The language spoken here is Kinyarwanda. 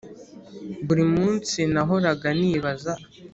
buri munsi nahoraga nibaza